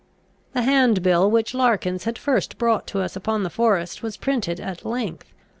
The hand bill which Larkins had first brought to us upon the forest was printed at length.